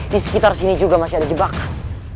di sekitar sini juga masih ada jebakan